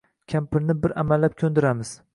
Kampirni bir amallab ko‘ndiramiz.